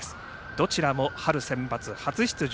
どちらも春センバツ初出場。